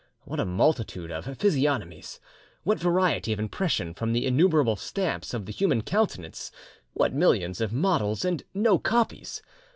What a multitude of physiognomies! What variety of impression from the innumerable stamps of the human countenance! What millions of models and no copies!